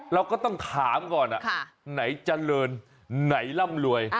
เราก็ต้องถามก่อนไหนเจริญไหนร่ำรวย